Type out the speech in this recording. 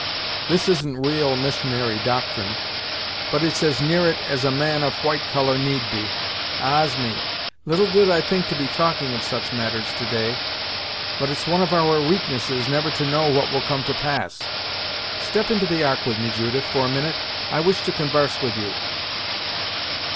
This isn't ra'al missionary doctrine, but it's as near it as a man of white colour need be. Ah's! me; little did I think to be talking of such matters, to day, but it's one of our weaknesses never to know what will come to pass. Step into the Ark with me, Judith, for a minute; I wish to convarse with you."